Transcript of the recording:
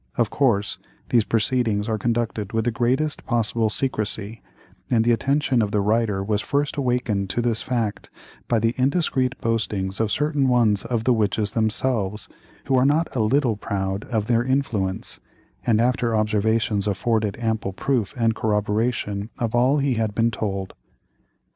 Of course, these proceedings are conducted with the greatest possible secrecy, and the attention of the writer was first awakened to this fact by the indiscreet boastings of certain ones of the witches themselves, who are not a little proud of their influence, and after observations afforded ample proof and corroboration of all he had been told.